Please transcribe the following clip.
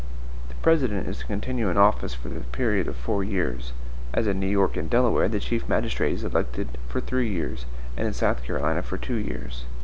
The President is to continue in office for the period of four years; as in New York and Delaware, the chief magistrate is elected for three years, and in South Carolina for two years.